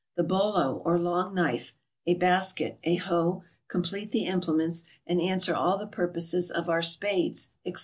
The bolo or long knife, a basket, a hoe, complete the implements, and answer all the purposes of our spades, etc.